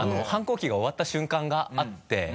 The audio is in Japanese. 反抗期が終わった瞬間があって。